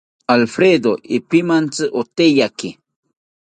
Alfredo ipimantzi oteyaki